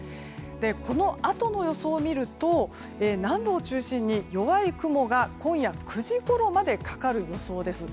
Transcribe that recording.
このあとの予想を見ると南部を中心に弱い雲が今夜９時ごろまでかかる予想です。